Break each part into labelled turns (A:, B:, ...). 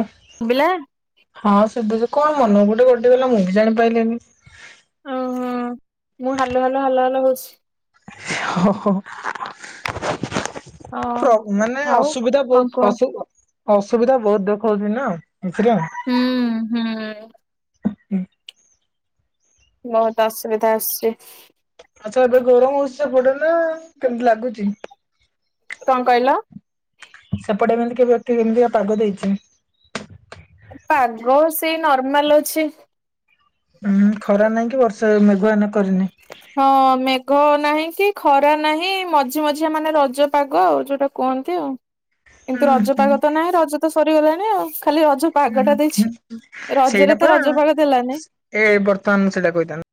A: ଅହ୍
B: ଶୁଭିଲା?
A: ହଁ ଶୁଭୁଚି କଣ ମନକୁ ଗୋଟେ ଗୋଟେ ଗଲା ମୁଁ ବି ଜାଣିପାଇଲିିନି
B: ଓହୋ ଛି
A: ଇ ଅହ ହ ଇ
B: ହଁ
A: ପ୍ରକ୍ ମାନେ
B: ଆଉ
A: ଅସୁବିଧା
B: କଣ କୁହ?
A: ବହୁତ ଅସୁ ଅସୁବିଧା ବହୁତ ଦେଖାଯାଉଚି ନା କିଛିଟା
B: ହୁଁ ହୁଁ
A: ତାକ୍ ଧୂଁ
B: ବହୁତ ଅସୁବିଧା ଆସୁଛି ସୁଂ
A: ଆଚ୍ଛା ଏବେ ଗରମ ହଉଚି ସେପଟେ ନା କେମତି ଲାଗୁଛି?
B: କଁ କହିଲ
A: ଏପଟେ ଏନତି ବ୍ୟକ୍ତି କେମିତିକା ପାଗ ଦେଇଛି।
B: ଆଗ ସେ ନର୍ମାଲ ଅଛି।
A: ହୁଁ ଖରା ନାଇଁ କି ବର୍ଷା ବି ବୟାନ କରିନାଇ।
B: ହଁ ମେଘ ନାହିଁ କି ଖରା ନାହିଁ ମଝି ମଝିଆ ମାନେ ରଜ ପାଗ ଯୋଉଟା କହନ୍ତି ଆଉ।
A: ହୁଁ
B: କିନ୍ତୁ
A: ହୁଁ
B: ରଜପାଗ କିଛି ତ ନାହିଁ ରଜ ତ ସରିଗଲାଣି, ଆଉ ଖାଲି ରଜ। ପାଗ ଟା ଦେଇଛି ରଜରେ
A: ସେଇଟା
B: ତ
A: ପା
B: ରଜ ପାଗ ଦେଲାନି
A: ଏ ବର୍ତ୍ତମାନ ସେଇଟା କହିଥାନ୍ତୁ।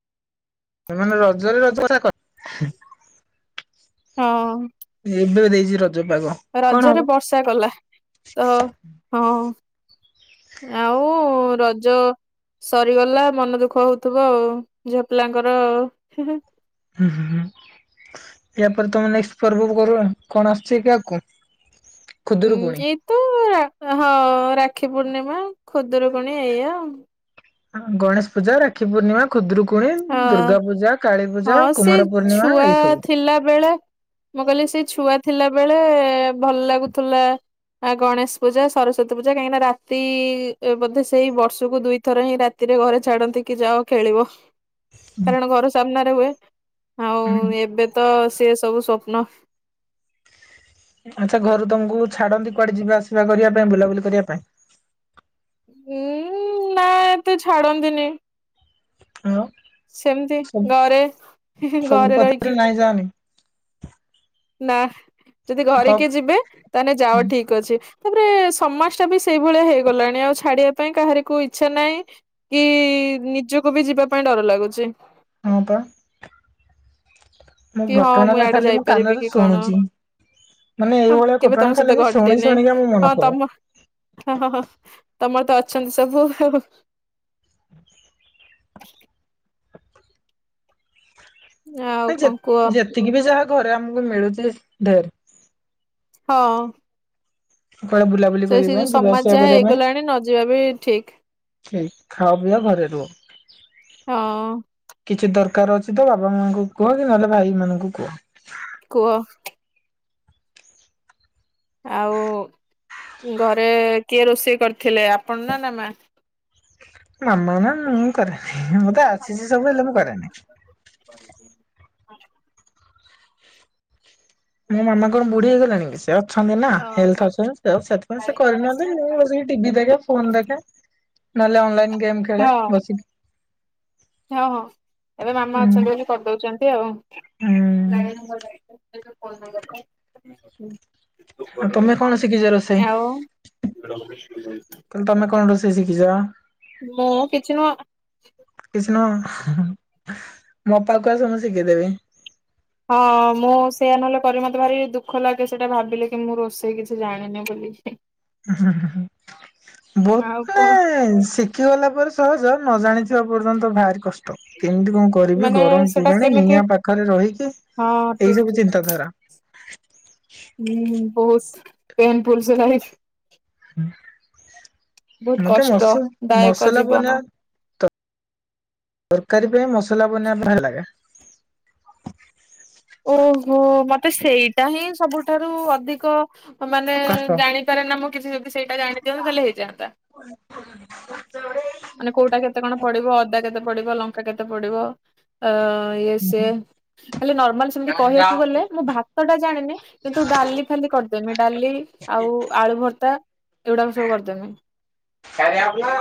A: ସେମାନେ ରଜରେ ରଜରେ କଥା
B: ହଁ
A: [unintelligible] କଣ ହବ
B: ରଜରେ ବର୍ଷା କଲା ତ ହଁ ଆଉ ରଜ ସରିଗଲା ମନ ଦୁଃଖ ହଉଥିବ ଆଉ ଝିଅପିଲାଙ୍କର।
A: ହୁଁ ହୁଁ ହୁଁ ୟା ପରେ ତମେ ନେଷ୍ଟ ପର୍ବ କରିବନି କଣ ଆସୁଛି କି ଆଗକୁ?
B: ଉଁ
A: ଖୁଦୁରୁକୁଣୀ
B: ଏ ତ ହଉ ର କ୍ଷୀ ପୂର୍ଣ୍ଣିମା ଖୁଦୁରୁକୁଣୀ ଏଇଆ
A: ଗଣେଶ ପୂଜା ରାକ୍ଷୀ ପୂର୍ଣ୍ଣିମା ଖୁଦୁରୁ
B: ହଁ ହଁ ସେ
A: କୁମାର ପୂର୍ଣ୍ଣିମା
B: ଛୁଆ
A: ଏଇ ସବୁ।
B: ଥିଲା ବେଳେ ମୁଁ କହିଲି ସେ ଛୁଆ ଥିଲା ବେଳେ ଭଲ ଲାଗୁଥିଲା ଗଣେଶ ପୂଜା ସରସ୍ଵତୀ ପୂଜା କାହିଁକିନା ରାତି ବୋଧେ ସେଇ ବର୍ଷକୁ ଦୁଇଥର ହିଁ ରାତିରେ ଘରେ ଛାଡନ୍ତି କି ଯାଅ ଖେଳିବ। କାରଣ ଘର ସାମ୍ନାରେ ହୁଏ। ଆଉ
A: ହୁଁ
B: ଏବେ ତ ସେ ସବୁ ସ୍ୱପ୍ନ
A: ଆଚ୍ଛା ଘରୁ ତମକୁ ଛାଡନ୍ତି କୁଆଡେ ଯିବା ଆସିବା କରିବା ପାଇଁ ବୁଲାବୁଲି କରିବା ପାଇଁ?
B: ହୁଁ ନା ଏ ତେ ଛାଡନ୍ତିନି।
A: ହଁ
B: ସେମିତି
A: ସବୁ
B: ଘରେ
A: ସବୁ
B: ଘରେ
A: କଥାରେ
B: ରହିକି।
A: ନାଇଁ ଯାଅନି
B: ନାଁ ଯଦି ଘରେ
A: ହକ୍
B: କିଏ ଯିବେ ତାହେଲେ ଯାଅ ଠିକ ଅଛି ଏ ସମାଜ ଟା ବି ସେଇଭଳିଆ ହେଇଗଲାଣି ଆଉ ଛାଡିବା ପାଇଁ କାହାରିକୁ ଇଛା ନାହିଁ, କି ନିଜକୁ ବି ଯିବା ପାଇଁ ଡର ଲାଗୁଛି।
A: ହଁ ତ
B: କି ହଁ ମୁଁ ଆଡେ ଯାଇପାରିବି କି କଣ
A: ମାନେ
B: ହ
A: ଏଇଭଳିଆ
B: କେବେ
A: ଘଟଣା
B: ତମ
A: ଖାଲି
B: ସହିତ
A: ମୁଁ ଶୁଣି
B: ଘଟିନି
A: ଶୁଣିକା ମୋ ମନ
B: ହଁ
A: ଖରାପ
B: ତମ ତମର ତ ଅଛନ୍ତି ସବୁ ଆଉ
A: [inaudible]
B: ଆଉ କଣ କୁହ
A: ଯେତ ଯେତିକି ବି ଯାହା ଘରେ ଆମକୁ ମିଳୁଚି ଢେର
B: ହଁ
A: କୁଆଡେ ବୁଲାବୁଲି
B: ସେ
A: କରିବା
B: ସେ
A: ପାଇଁ
B: ଯୋଉ
A: ଯିବା
B: ସମାଜ
A: ଆସିବା
B: ଯାହା
A: କରିବା ପାଇଁ
B: ହେଇଗଲାଣି ନ ଯିବା ବି ଠିକ
A: ସେଇ ଖାଅ ପିଅ ଘରେ ରୁହ।
B: ହଁ
A: କିଛି ଦର କାର ଅଛି ତ ବାପା ମାଙ୍କୁ କୁହ କି ନହେଲେ ଭାଇ ମାନଙ୍କୁ କୁହ।
B: କୁଅ ଆଉ ଘରେ କିଏ ରୋଷେଇ କରିଥିଲେ ଆପଣ ନା ମା?
A: ମାମା ନା ମୁଁ କରେନି। ମୋତେ ଆସିଚି ସବୁ ହେଲେ ମୁଁ
B: ଓହୋ
A: କରେନି।
B: [inaudible]
A: ମୋ ମାମା କଣ ବୁଢୀ ହେଇଗଲାଣି କି ବେଶୀ। ଅଛନ୍ତି ନା ହେଲ୍ଥ ଅଛନ୍ତି, ସେଥିପାଇଁ ସେ କରିନାହାନ୍ତି ବସିକି ଟିଭି ଦେଖେ, ଫୋନ ଦେଖେ ନହେଲେ ଅନଲାଇନ୍ ଗେମ୍ ଖେଳେ
B: ହଁ
A: ବସିକି।
B: ହଁ ହଁ ଏବେ ମାମା
A: ହୁଁ
B: ଅଛନ୍ତି ବୋଲି କରିଦଉଛନ୍ତି ଆଉ।
A: ହୁଁ।
B: [inaudible]
A: ଆଉ ତମେ କଣ ଶିଖିଛ ରୋଷେଇ,
B: ଆଉ
A: ତମେ କଣ ରୋଷେଇ? ଶିଖିଛ?
B: ମୁଁ କିଛି ନୂଆ।
A: କିଛି ନୁହଁ ମୋ ପାାକୁ ଆସ ମୁଁ ଶିଖେଇଦେବି।
B: ହଁ ମୁଁ ସେଇୟା ନହେଲେ କରି ମତେ ଭାରି ଦୁଃଖ ଲାଗେ, ସେଇଟା ଭାବିଲେ କି ମୁଁ ରୋଷେଇ କିଛି ଜାଣିନି ବୋଲି।
A: ହୁଁ ହୁଁ
B: ଆଉ
A: ବହୁତ୍ ନେ
B: କଣ
A: ଶିଖିଗଲା ପରେ ସହଜ। ନ ଜାଣିଥିବା ପର୍ଯ୍ୟନ୍ତ ଭାରି କଷ୍ଟ। କେମିତି କଣ କରିବି,
B: ମାନେ
A: ଗରମ
B: ସେଟା
A: ପୁରାଣି
B: କେମିତି
A: ନିଆଁ ପାଖରେ ରହିକି
B: ହଁ ଠିକ
A: ଏଇ ସବୁ
B: ଠିକ
A: ଚିନ୍ତାଧାରା।
B: ହୁଁ ବହୁତ ପେନ୍ ଫୁଲ ଥିଲା ଲାଇଫ୍।
A: ହୁଁ। ମତେ
B: କଷ୍ଟ
A: ମସ
B: ଦାୟକ
A: ମସଲାକୁ
B: ଜୀବନ।
A: ଅନେଇଆ ତରକାରୀ ପାଇଁ ମସଲା ବନେଇବାକୁ ଭଲ ଲାଗେ।
B: ଓ ହୋ ମତେ ସେଇଟା ହିଁ ସବୁଠାରୁ ଅଧିକ ମାନେ
A: କଷ୍ଟ
B: ଜାଣିପାରେ ନା ମୁଁ କିଛି ଯଦି ସେଇଟା ଜାଣି ଦିଅନ୍ତି ତାହେଲେ ସେଇଟା ହେଇଯାଆନ୍ତା ମାନେ କୋଉଟା କେତେ କଣ ପଡିବ ଅଦା କେତେ ପଡିବ ଲଙ୍କା କେତେ ପଡିବ ଅ ଇଏ ସିଏ ଖାଲି ନର୍ମାଲ କହିବାକୁ ଗଲେ ମୁଁ ଭାତଟା କିନ୍ତୁ ଡାଲି ଖାଲି କରିଦେମି ଡାଲି ଆଉ ଆଳୁ ଭର୍ତ୍ତା ଏଗୁଡାକ ସବୁ କରିଦେମି।
A: କାଳିଆ ଭୁଆଁ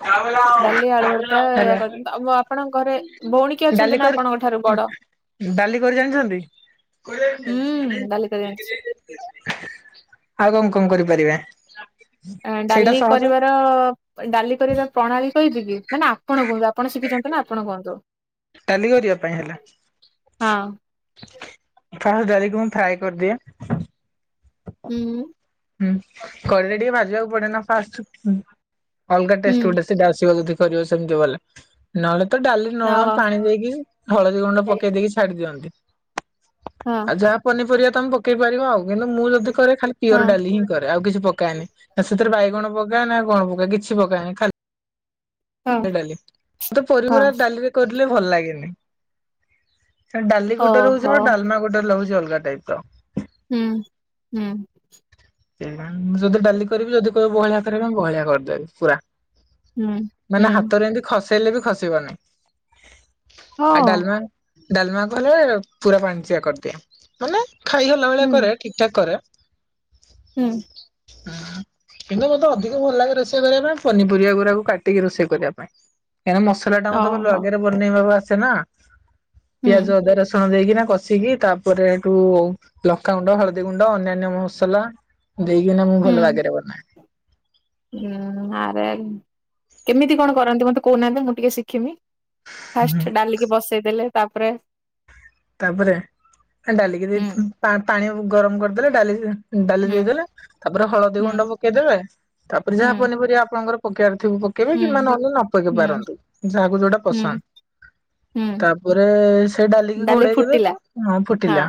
A: ହେଲା
B: ଡାଲି ଆଳୁ ଭର୍ତ୍ତା ଏଇଆ କରିଦେମି ତ ଆପଣଙ୍କ ଘରେ ଭଉଣୀ କିଏ ଅଛନ୍ତି
A: ଡାଲି
B: ନା ଆପଣଙ୍କ ଠାରୁ
A: କରି
B: ବଡ?
A: ଡାଲି କରି ଜାଣିଛନ୍ତି
B: ହୁଁ ଡାଲି କରି ଜାଣିଛି।
A: ଆଉ କଣ କଣ କରିପାରିବେ? ସେଇଟା
B: ଡାଲି
A: ସହଜ
B: କରିବାର ଡାଲି କରିବାର ପ୍ରଣାଳୀ କହିବି କି ନା ନା ଆପଣ କୁହନ୍ତୁ ଆପଣ ଶିଖିଛନ୍ତି ନା ଆପଣ କୁହନ୍ତୁ।
A: ଡାଲି କରିବା ପାଇଁ ହେଲା
B: ହଁ।
A: ଫାଷ୍ଟ୍ ଡାଲି କୁ ମୁଁ ଫ୍ରାଏ କରିଦିଏ
B: ହୁଁ।
A: ହୁଁ କଢେଇରେ ଟିକେ ଭାଜିବାକୁ ପଡେନା ଫାଷ୍ଟ୍। ଅଲଗା ଟେଷ୍ଟ୍
B: ହୁଁ
A: ଗୋଟେ ସେଇଟା ଆସିବ ଡାଲି। କରିବ ସେମିତି ବୋଲେ ନ ହେଲେ ତ ଡାଲି ଲୁଣ
B: ଓହୋ
A: ପାଣି ଦେଇକି ହଳଦୀ ଗୁଣ୍ଡ ପକେଇ ଦେଇକି ଛାଡି ଦିଅନ୍ତି।
B: ହଁ।
A: ଆଉ ଯା ପନିପରିବା ତମେ ପକେଇ ପାରିବ ଆଉ। କିନ୍ତୁ ମୁଁ ଯଦି କରେ ଖାଲି
B: ହଁ
A: ପିଓର୍ ଡାଲି। ରେ ଆଉ କିଛି ପକାଏନି। ସେଥିରେ ବାଇଗଣ ପକା ନା କଣ ପ କିଛି ପକାଏନି ଖାଲ
B: ହଁ
A: ଡାଲି ମୁଁ ତ
B: ହଁ
A: ପରିବାଗୁରା ଡାଲିରେ କର ଲେ ଭଲ ଲାଗେନି। ଖାଲି ଡାଲି ଗୋଟେ
B: ଓହୋ
A: ରହୁଥିବ ଡାଲମା ଗୋଟେରେ ଲାଗୁଛି ଅଲ ଟାଇପ୍ ର।
B: ହୁଁ ହୁଁ।
A: ଏଇ ଆ ମୁଁ ଯଦି ଡାଲି କରିବି ଯଦି କହିବେ ବହଳିଆ କରିବା ପାଇଁ ବହଳିଆ କର ଦାରିପ୍
B: ହୁଁ
A: [unintelligible] ମାନେ
B: ହୁଁ
A: ହାତରେ ଏମିତି ଖସ୍ ହେଲେ ବି ଖସିବନି। ଆ
B: ହଁ
A: ଡାଲମା? ଡାଲମା କ [unintelligible] ପୁରା ପାଣିଚ଼ିଆ କରିଦିଏ। ମାନେ? ଖାଇ ହେଲା
B: ହୁଁ
A: ଭଳିଆ କରେ ଠିକ ଠାକ୍ କରେ।
B: ହୁଁ।
A: କିନ୍ତୁ ମତେ ଅଧିକ ଭଲ ଲାଗେ ରୋଷେଇ କରିବା ପାଇଁ। ପନିପରିବା ଗୁରାକୁ କାଟିକି ରୋଷେଇ କରିବା ପାଇଁ। କାଇଁ ନା ମସଲା ଟା ମତେ ଭଲ
B: ଓହୋ
A: ବାଗରେ ବନେଇବା ବା ଆସ୍ ଛେନା।
B: ହୁଁ
A: ପିଆଜ ଅଦା ରସୁଣ ଦେଇକିନା କଷିକି ତାପରେ ଏଠୁ ଲଙ୍କାଗୁଣ୍ଡ ହଳଦୀ ଗୁଣ୍ଡ ଅନ୍ୟାନ୍ୟ ମସ୍ ସଲା। ଦେଇକିନା ମୁଁ ଭଲ ବାଗରେ ବନାଏ।
B: ଉୁଁ ଆରେ ଆରେ କେମିତି କଣ କରନ୍ତି? ମତେ କହୁନାହାଁନ୍ତି? ମୁଁ ଟିକେ ଶିଖିମି। ଫାଷ୍ଟ ଡାଲିକି ବସେଇଦେଲେ। ତାପରେ।
A: ତାପରେ ଏ ଡାଲିକି ଦେଇକି
B: ହୁଁ
A: ଫୁଣି ପା ପାଣି ଆଉ ଉୁଁ ଗରମ କରିଦେଲେ ଡାଲି ଡାଲି
B: ହୁଁ
A: ଦେଇଦେଲେ ତାପରେ ହଳଦୀ ଗୁଣ୍ଡ
B: ହୁଁ
A: ପକେଇଦେବେ। ତାପରେ ଯାହା
B: ହୁଁ
A: ପନିପରିବା ଆପଣଙ୍କର ପକେଆର୍ ପକେଇଲେ ପକେଇବେ କିମ୍ବା
B: ହୁଁ
A: ନହେଲେ ନ ପକେଇ
B: ହୁଁ
A: ପାରନ୍ତୁ ଯାହାକୁ ଯୋଉଟା
B: ହୁଁ
A: ପସନ୍ଦ।
B: ହୁଁ
A: ତାପରେ ସେ ଡାଲିକି
B: ଡାଲି
A: ଘୋଡେଇ ଦେବେ ତ
B: ଫୁଟିଲା
A: ହଁ ଫୁଟିଲା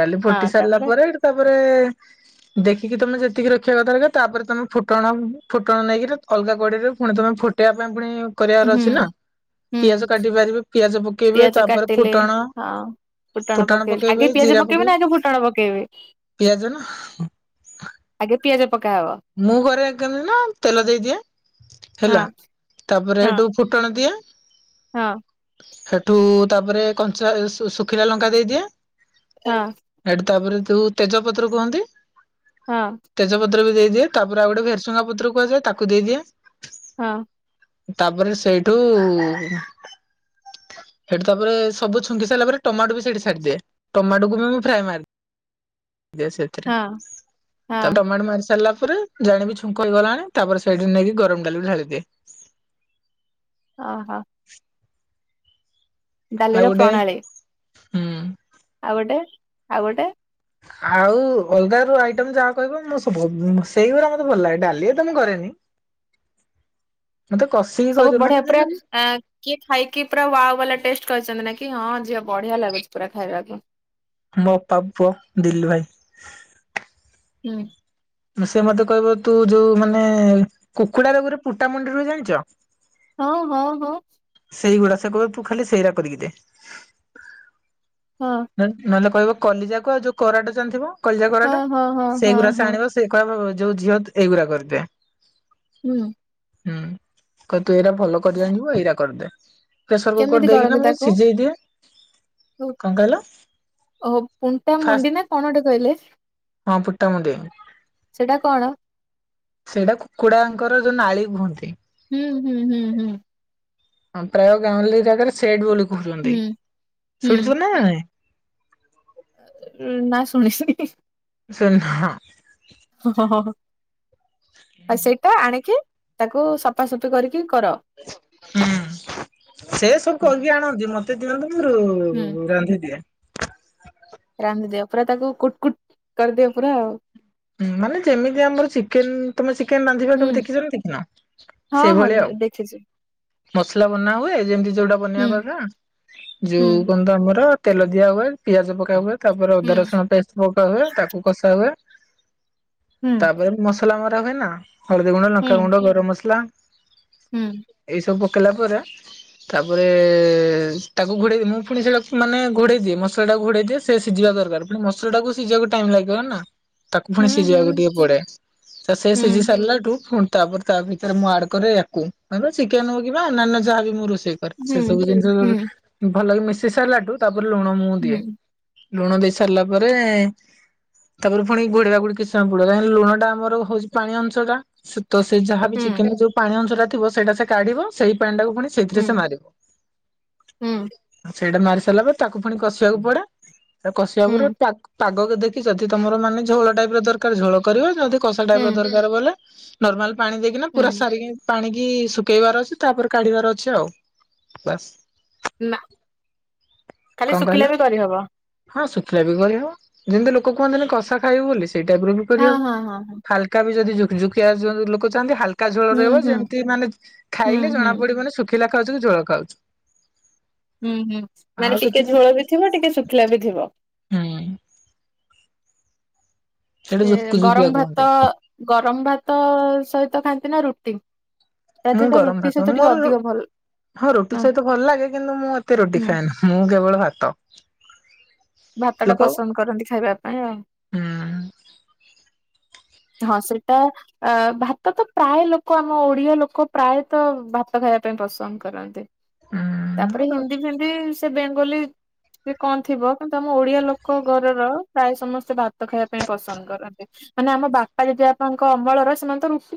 A: ଡାଲି ଫୁଟି
B: ହଁ
A: ସାରିଲା
B: ତାପରେ
A: ପରେ ସେଠୁ ତାପରେ ରେ ଦେଖିକି ତମେ ଯେତିକି ରଖିବା କଥା ରଖିବା। ତାପରେ ତମେ ଫୁଟଣ ଫୁଟଣ ନେଇକିରି ଅଲଗା କଡେଇରେ ଫୁଣି ତମେ ଫୁଟେଇବା ପାଇଁ ପୁଣି କରିବାର
B: ହୁଁ
A: ଅଛି ନା।
B: ହୁଁ
A: ପିଆଜ କାଟି ପାରିବେ ପିଆଜ ପ କେବେ
B: ପିଆଜ
A: ତାପରେ
B: କାଟିଲେ
A: ଫୁଟଣ?
B: ହଁ ଫୁଟଣ ପକେଇଲେ ଆଗେ ପିଆଜ ପକେଇବେ ନା ଆଗେ ଫୁଟଣ ପକେଇବେ?
A: ପିଆଜ ନା
B: ଆଗେ ପିଆଜ। ପକାହବ
A: ମୁଁ ଘରେ କେମିତି ନା ତେଲ ଦେଇଦିଏ ହେଲା
B: ହଁ
A: ତାପରେ
B: ହଁ
A: ହେଠୁ ଫୁଟଣ ଦିଏ।
B: ହଁ।
A: ହେଠୁ ତାପରେ କଞ୍ଚା ଶୁଖିଲା ଲଙ୍କା ଦେଇଦିଏ।
B: ହଁ
A: ହେଠୁ ତାପରେ ତୁ ତେଜପତ୍ର କୁହନ୍ତି।
B: ହଁ
A: ତେଜପତ୍ର ବି ଇଏ ତାପରେ ଆଉ ଗୋଟେ ଭେସୁଙ୍ଗା ପତ୍ର କୁହାଯାଏ ତାକୁ ଦେଇଦିଏ।
B: ହଁ।
A: ତାପରେ ସେଇଠୁ ସେଠୁ ତାପରେ ସବୁ ଛୁଙ୍କି ସାରିଲା ପରେ ଟମାଟୋ ବି ସେଇଠି ସାରଦିଏ ଟମାଟୋକୁ ବି ମୁଁ ଫ୍ରାଏ ମାରି ଦେ ସେତରେ
B: ହଁ ହଁ
A: ଟମାଟୋ ମାରିରସଲା ତାପରେ ଜାଣିବି ଛୁଙ୍କ ହେଇଗଲାଣି ତାପରେ ସେଇଠରେ ନେଇକି ଗରମ ଡାଲି ବି ଢାଳିଦିଏ।
B: ଅ ହ।
A: ଆଉ
B: ଡାଲିର
A: ଗୋଟେ
B: ପ୍ରଣାଳୀ।
A: ହୁଁ।
B: ଆଉଗୋଟେ ଆଉଗୋଟେ
A: ଆଉ ଅଲଗା ର ଆଇଟମ ଯାହା କହିବ ମୁଁ ସବୁ ସେଇଗୁରା ମତେ ଭଲ ଲାଗେ ଡାଲୀ ତ ମୁଁ କରେନି। ମତେ କଷିକି
B: ସବୁ
A: କରେ ମାନେ
B: ବଢିଆ ପୁରା
A: ଯେମିତି
B: କିଏ ଖାଇକି ପୁରା ୱଲା ଟେଷ୍ଟ କହିଛନ୍ତି ନା କି ହଁ ଝିଅ ବଢିଆ ଲାଗୁଛି ପୁରା ଖାଇବାକୁ।
A: ମୋ ଅପା ପୁଅ ଦିଲୁ ଭାଇ।
B: ହୁଁ।
A: ସେ ମତେ କହିବ ତୁ ଯୋଉ ମାନେ କୁକୁଡାର ଗୋଟେ ପୁଟାମୁଣ୍ଡିରୁ ବରହେ ଜାଣିଛ?
B: ହଁ ହଂ ହ।
A: ସେଇଗୁଡା ସେ କୁ ଖାଲି ସେଇଟା କରିକି ଦେ
B: ହଁ
A: ନହେଲେ କହିବ? କଲିଯାକ ଯେଉଁ କରୋାଟ ଯାଣିଥିବ। କଳିଜା
B: ହଁ
A: କରାଟା
B: ହଁ ହଁ ହଁ
A: ସେଇଗୁଡା ସେ
B: ହଁ
A: ଆଣିବ ସେଇ କ ଯୋଉ ଝିଅ ତୁ ଏଇଗୁଡା କରିଦେ।
B: ହୁଁ।
A: ହୁଁ କ ତୁ ଏରା ଭଲ କରିଜାଣିବୁ ଏରା କରିଦେ। ପ୍ରେସର କୁକର
B: କେମିତି କର
A: ଦେଇକିନା
B: କି
A: ମୁଁ
B: ତାକୁ
A: ସିଝେଇ ଦିଏ କଣ କହିଲ
B: ଓ ପୁଣ୍ଟା
A: ଫାଷ୍ଟ
B: ମୁଣ୍ଡି ନା କଣ ଗୋଟେ କହିଲେ?
A: ହଁ ପୁଟ୍ଟା ମୁଣ୍ଡି।
B: ସେଟା କଣ?
A: ସେଇଟା କୁକୁଡାଙ୍କର ଯୋଉ ନାଳୀ କୁହନ୍ତି।
B: ହୁଁ ହୁଁ ହୁଁ ହୁଁ।
A: ହଁ ପ୍ରାୟ ଗାଉଲି ଜାଗାରେ ରେ ସେଡ ବୁଲ କହୁଛନ୍ତି
B: ହୁଁ
A: ଶୁଣିଥିବ ନାଇ ନା ନାଇଁ?
B: ନାଁ ଶୁଣି ଶୁଣିନି
A: ଶୁନ ହ
B: ହ ହଁ ହ ହ। ଆଉ ସେଇଟା ଆଣିକି? ତାକୁ ସଫାସଫି କରି
A: ହୁଁ ସେ ସବୁ କହିକି ଆଣନ୍ତି ମତେ [unintelligible] ମୋର
B: ହୁଁ।
A: ରାନ୍ଧିଦିଏ।
B: ରାନ୍ଧିଦିଅ ପୁରା ତାକୁ କୁଟକୁଟ କରିଦିଏ ପୁରା ଆଉ।
A: ହଁ ମାନେ ଯେମିତି ଆମର ଚିକେନ ତମେ ଚିକେନ ବାନ୍ଧିବା
B: ହୁଁ
A: କେବେ ଦେଖିଛ ନା ଦେଖିନ
B: ହଁ ହଁ
A: ସେଇଭଳିଆ ଆଉ।
B: ଦେଖିଛି
A: ମସଲା ବନା ହୁଏ ଯେମିତି ଯୋଉଟା
B: ହୁଁ
A: ବନେଇବା କଥା ଯୋଉ
B: ହୁଁ।
A: କନତ ଆମର। ତେଲ ଦିଆ ହୁଏ ପିଆଜ ପକା ହୁଏ। ତାପରେ
B: ହୁଁ
A: ଅଦା ରସୁଣ ପେଷ୍ଟ ପକା ହୁଏ ତାକୁ କଷା ହୁଏ।
B: ହୁଁ
A: ତାପରେ ମସ ମସଲା ମରା ହୁଏ ନା। ହଳଦୀ ଗୁଣ୍ଡ
B: ହୁଁ ହୁଁ
A: ଲଙ୍କାଗୁଣ୍ଡ ଗରମ ମସଲା।
B: ହୁଁ
A: ଏଇ ସବୁ କଲା ପରେ ତାପରେ ଏ ତାକୁ ଘୋଡେଇଦି ମୁଁ ପୁଣି ସେଟାକୁ ମାନେ ଘୋଡେଇ ଦିଏ ମସଲା ଟାକୁ ଘୋଡେଇ ଦିଏ ସେ ସିଝିବା ଦରକାର ପୁଣି ମସଲା ଟାକୁ ସିଝିବାକୁ ଟାଇମ୍ ଲାଗିବ ନା। ତାକୁ ପୁଣି ସିଝିବାକୁ
B: ହୁଁ।
A: ଟିକେ ପଡେ ତ ସେ
B: ହୁଁ
A: ସିଝି ସାରିଲାଠୁୁ ତାପରେ ତା ଭିତରେ ମୁଁ ଆଡ କରେ ୟାକୁ ଚିକେନ ହଉ କି ଅନ୍ୟାନ୍ୟ ଯାହାବ ମୁଁ ରୋଷ ସେ
B: ହୁଁ
A: ସବୁ ଜିନିଷ
B: ହୁଁ
A: ଭଲକି ମିଶେଇ ଶେଷ ହେଲାଠୁଁ ତା ତା ଲୁଣ ମୁଁ ଦିଏ। ଲୁଣ ଦେଇ ସାରିଲା ପରେ ତାପରେ ପୁଣି ଘୋଡେଇବା ଆଗରୁ କିଛି ସମୟ ଗୁଲାଇବା କାହିଁକି ଲୁଣ ଟା ଆମର ପାଣି ଅଂଶଟା ସେତ ଯାହା ବି ଚିକେନ ଯୋଉ ପାଣି ଅଂଶଟା ଥିବ ସେ କାଢିବ ସେଇ ପାଣି ଟାକୁ ପୁଣି
B: ହୁଁ ହୁଁ ହୁଁ
A: ସେଇଥିରେ
B: ହୁଁ
A: ସେ ମାରେ। ସେଇଟା ମାରି ସାରିଲା ପରେ ତାକୁ ପୁଣି କଷିବାକୁ ପଡେ କଷିବା ପରେ
B: ହୁଁ
A: ପାଗକୁ ଦେଖି ଯଦି ତମର ମାନେ ଝୋଳ ଟାଇପ ର ଦରକାର ଝୋଳ କରିବା ଯଦି କସା ଟାଇପ
B: ହୁଁ
A: ର ଦରକାର ବୋଲେ ନର୍ମାଲ। ପାଣି ଦେଇକି ନା ପୁରା
B: ହୁଁ
A: ସାରିକି ପାଣି କି ଶୁଖେଇବାର ଅଛି ତାପରେ କାଢିବାର ଅଛି ଆଉ ବାସ୍।
B: ନା ଖାଲି
A: କଣ କହିଲ
B: ଶୁଖିଲା ବି କରିହବ।
A: ହଁ ଶୁଖିଲା ବି କରିହବ ଯେମିତି ଲୋକ କୁହନ୍ତି କଷା। ଖାଇବ ବୋଲି। ସେଇ ଟାଇପ ର ବି
B: ହଁ
A: କରିହବ
B: ହଁ ହଁ ହଁ।
A: ହାଲକା ବି ଯଦି ଯୁକୁ ଯୁକିଆ ଯୋ ଲୋକ ଚାହାଁନ୍ତି ହାଲକା ହାଲକା ଝୋଳ
B: ହୁଁ
A: ରହିବ
B: ହୁଁ।
A: ଯେମତି ମାନେ
B: ହୁଁ
A: ଖାଇଲେ
B: ହୁଁ
A: ଜଣା ପଡିବନି ଶୁଖି ଖିଲା ଖାଉଛ କି ଝୋଳ ଖାଉଛି।
B: ହୁଁ ହୁଁ ମାନେ ଟିକେ ଝୋଳ ବି ଥିବ ଟିକେ ଶୁଖିଲା ବି ଥିବ।
A: ହୁଁ ସେଇଟା
B: ସେ
A: ଜୁକୁ ଜୁକିଆ
B: ଗରମ ଭାତ
A: କୁହନ୍ତି
B: ଗରମ ଭାତ ସହିତ ଖାନ୍ତି। ନା ରୁଟି। ତା
A: ମୁଁ
B: ଦେହରେ
A: ଗରମ
B: ରୁଟି
A: ଭାତ
B: ସହିତ ଟିକେ
A: ମୋର ରୁ
B: ଅଧିକ ଭଲ
A: ହଁ ରୁଟି ସହିତ ଭଲ ଲାଗେ କିନ୍ତୁ ମୁଁ ଏତେ ରୁଟି
B: ହୁଁ
A: ଖାଏନି ମୁଁ କେବଳ ଭାତ।
B: ଭାତ ଟା
A: ଲୋକ
B: ପସନ୍ଦ କରନ୍ତି ଖାଇବା ପାଇଁ ଆଉ।
A: ହୁଁ
B: ହଁ ସେଇଟା ଅ ଭାତ ତ ପ୍ରାୟ ଲୋକ ଆମ ଓଡିଆ ଲୋକ ପ୍ରାୟତ ଭାତ ଖାଇବା ପାଇଁ ପସନ୍ଦ କରନ୍ତି। ତାପରେ
A: ହୁଁ
B: ହିନ୍ଦି ଫିନ୍ଦି ସେ ବୋଲି ସେ କଣ ଥିବ କିନ୍ତୁ ଆମ ଓଡିଆ ଲୋକ ଘରର ପ୍ରାୟ ସମସ୍ତେ ଭାତ ଖାଇବା ପାଇଁ ପସନ୍ଦ କରନ୍ତି ମାନେ ଆମ ବାପ ବାପା ଜେଜେବାପାଙ୍କ ଅମଳର ସେମାନେ ତ ରୁଟି